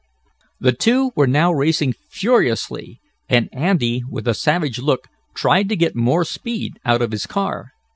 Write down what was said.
The two were now racing furiously, and Andy, with a savage look, tried to get more speed out of his car.